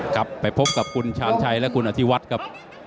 กลับไปพบกับคุณชาญชัยและคุณอธิวัฒน์ครับ